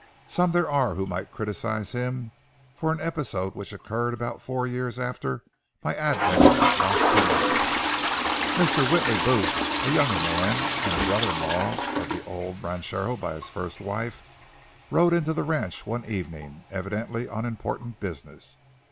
Some there are who might criticise him for an episode which occurred about four years after my advent at Las Palomas. Mr. Whitley Booth, a younger man and a brother in law of the old ranchero by his first wife, rode into the ranch one evening, evidently on important business.